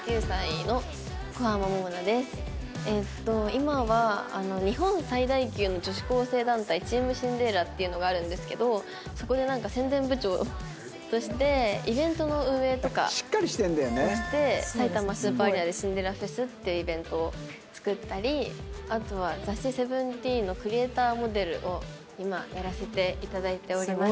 今は日本最大級の女子高生団体チームシンデレラっていうのがあるんですけどそこでなんか宣伝部長としてイベントの運営とかをしてさいたまスーパーアリーナでシンデレラフェスっていうイベントを作ったりあとは雑誌『Ｓｅｖｅｎｔｅｅｎ』のクリエイターモデルを今やらせて頂いております。